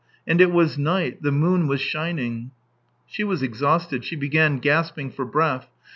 And it was night, the moon was shining. ..." She was exhausted, she began gasping for breath.